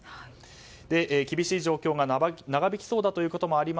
厳しい状況が長引きそうということもあり